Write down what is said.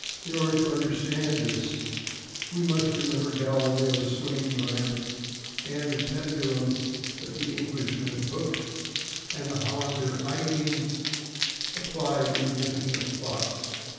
In order to understand this, we must remember Galileo's swinging lamp and the pendulum that the Englishman, Hooke, and the Hollander, Huyghens, applied in the making of clocks.